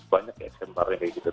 banyak ya centernya kayak gitu